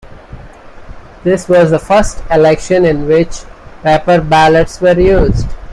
This was the first election in which paper ballots were used.